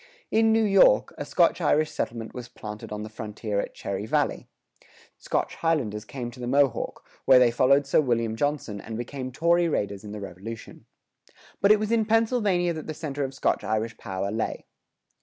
In New York, a Scotch Irish settlement was planted on the frontier at Cherry Valley.[104:1] Scotch Highlanders came to the Mohawk,[104:2] where they followed Sir William Johnson and became Tory raiders in the Revolution. But it was in Pennsylvania that the center of Scotch Irish power lay.